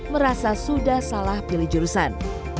merasa sudah salah pilih jurusan